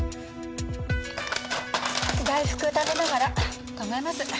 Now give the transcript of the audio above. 大福食べながら考えます。